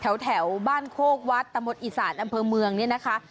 แถวบ้านโคกวัดตะมดอีสานอำเภอเมืองเนี่ยนะคะ